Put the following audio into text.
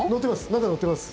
中、乗ってます。